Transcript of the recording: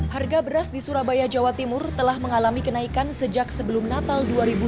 harga beras di surabaya jawa timur telah mengalami kenaikan sejak sebelum natal dua ribu dua puluh